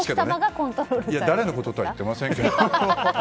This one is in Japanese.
誰の事とは言ってませんけど。